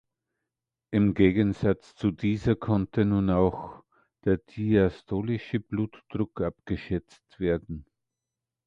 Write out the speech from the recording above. Im Gegensatz zu dieser konnte nun auch der diastolische Blutdruck abgeschätzt werden.